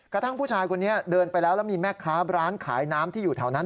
กระทั่งผู้ชายคนนี้เดินไปแล้วแล้วมีแม่ค้าร้านขายน้ำที่อยู่แถวนั้น